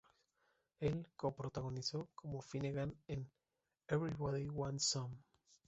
Él co-protagonizó como Finnegan en "Everybody Wants Some!!